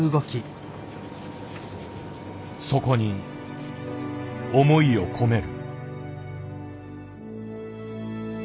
そこに思いをこめる。